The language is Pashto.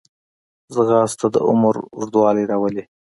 ځغاسته د عمر اوږدوالی راولي